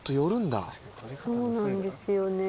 そうなんですよね。